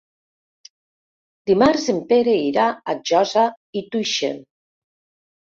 Dimarts en Pere irà a Josa i Tuixén.